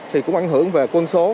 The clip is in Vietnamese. thì cũng ảnh hưởng về quân số